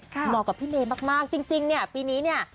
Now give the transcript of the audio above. เหมาะกับพี่เมย์มากจริงเนี่ยปีนี้เนี่ย